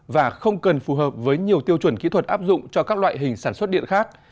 và không cần phù hợp với nhiều tiêu chuẩn kỹ thuật áp dụng cho các loại hình sản xuất điện khác